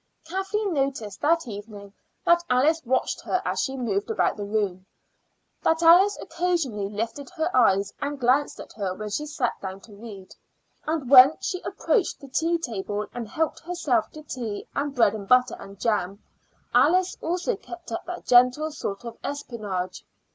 Kathleen noticed that evening that Alice watched her as she moved about the room; that Alice occasionally lifted her eyes and glanced at her when she sat down to read; and when she approached the tea table and helped herself to tea and bread and butter and jam, Alice also kept up that gentle sort of espionage.